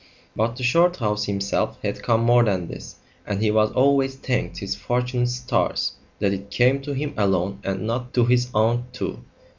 But to Shorthouse himself had come more than this, and he has always thanked his fortunate stars that it came to him alone and not to his aunt too.